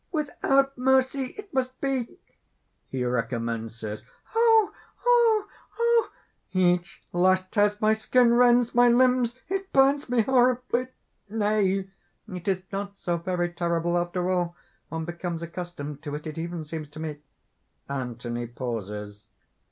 without mercy it must be." (He recommences.) "Oh! oh! oh! each lash tears my skin, rends my limbs! It burns me horribly!" "Nay! it is not so very terrible after all! one becomes accustomed to it. It even seems to me...." (_Anthony pauses.